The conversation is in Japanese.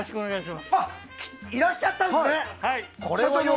いらっしゃったんですね。